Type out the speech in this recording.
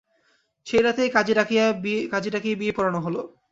সেই রাতেই কাজী ডাকিয়ে বিয়ে পড়ানো হল।